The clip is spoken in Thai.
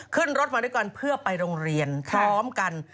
ขึ้นรถมาด้วยกันเพื่อไปโรงเรียนพร้อมกัน